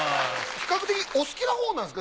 比較的お好きなほうなんですか？